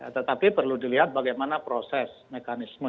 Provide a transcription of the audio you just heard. tetapi perlu dilihat bagaimana proses mekanisme